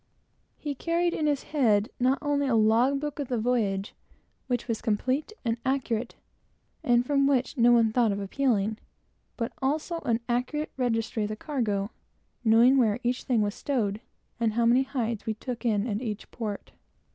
He carried in his head not only a log book of the whole voyage, in which everything was complete and accurate, and from which no one ever thought of appealing, but also an accurate registry of all the cargo; knowing, precisely, where each thing was, and how many hides we took in at every port.